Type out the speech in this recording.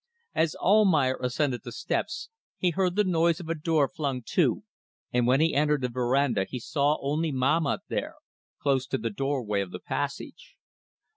As Almayer ascended the steps he heard the noise of a door flung to, and when he entered the verandah he saw only Mahmat there, close to the doorway of the passage.